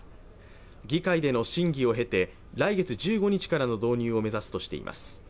議会での審議を経て、来月１５日からの導入を目指すとしています。